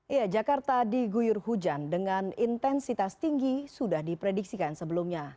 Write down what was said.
iya jakarta diguyur hujan dengan intensitas tinggi sudah diprediksikan sebelumnya